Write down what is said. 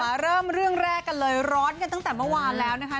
เริ่มเรื่องแรกกันเลยร้อนกันตั้งแต่เมื่อวานแล้วนะคะ